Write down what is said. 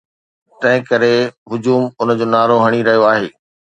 تنهن ڪري هجوم ان جو نعرو هڻي رهيو آهي.